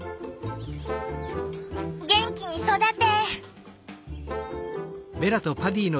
元気に育て！